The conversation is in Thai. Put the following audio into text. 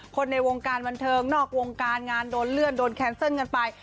คนในวงการบันเทิงนอกวงการงานโดนเลื่อนโดนแคนเซิลกันไป